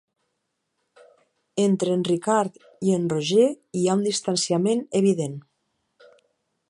Entre en Ricard i en Roger hi ha un distanciament evident.